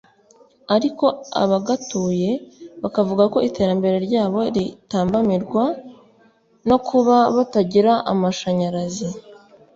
ariko abagatuye bakavuga ko iterambere rya bo ritambamirwa no kuba batagira amashanyarazi